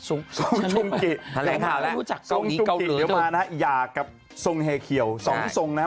สงจุงกิเดี๋ยวมานะหย่ากับทรงเฮเคียวสองที่ทรงนะ